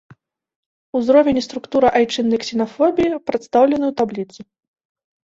Узровень і структура айчыннай ксенафобіі прадстаўлены ў табліцы.